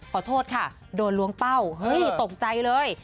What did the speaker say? ขอโทษค่ะโดนล้วงเป้าเฮ้ยตกใจเลย